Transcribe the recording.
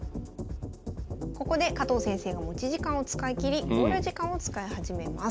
ここで加藤先生が持ち時間を使い切り考慮時間を使い始めます。